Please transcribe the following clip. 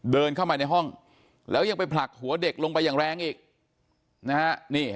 เดินเข้ามาในห้องแล้วยังไปผลักหัวเด็กลงไปอย่างแรงอีกนะฮะ